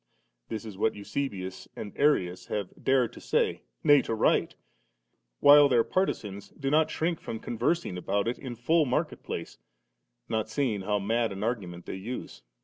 This is what Eusebius^ and Arius have dared to say, nay to write; while their partizans do not shrink from con versing about it in full market place, not seeing how mad an argument they use.